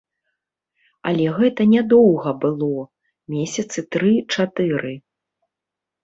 Але гэта нядоўга было, месяцы тры-чатыры.